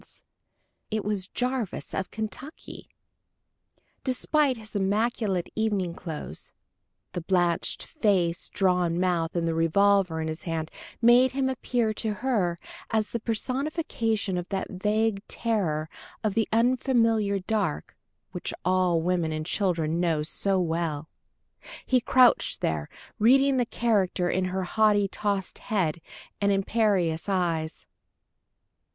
It was Jarvis of Kentucky! [Illustration: It was Jarvis of Kentucky] Despite his immaculate evening clothes, the blanched face, drawn mouth, and the revolver in his hand made him appear to her as the personification of that vague terror of the unfamiliar dark which all women and children know so well. He crouched there, reading the character in her haughtily tossed head and imperious eyes.